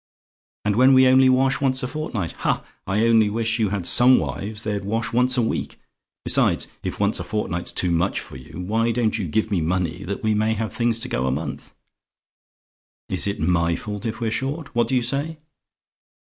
"And when we only wash once a fortnight! Ha! I only wish you had some wives, they'd wash once a week! Besides, if once a fortnight's too much for you, why don't you give me money that we may have things to go a month? Is it MY fault if we're short? What do you say?